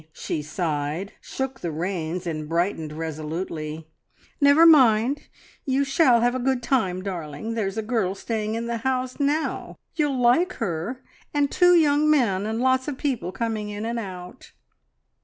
She sighed, shook the reins, and brightened resolutely. "Never mind, you shall have a good time, darling! There's a girl staying in the house now you'll like her and two young men, and lots of people coming in and out."